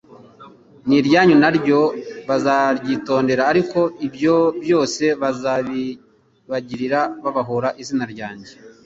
n'iryanyu na ryo bazaryitondera. Ariko ibyo byose bazabibagirira babahora izina ryanjye